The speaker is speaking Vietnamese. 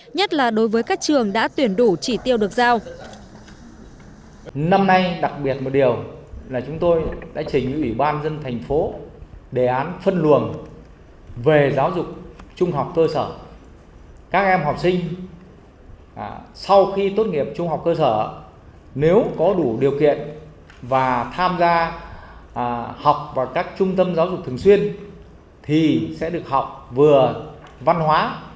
nhất là đối với các trường đã tuyển đủ chỉ tiêu được giao